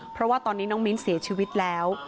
เพราะว่าตอนนี้น้องมิ้นเสียชีวิตแล้ว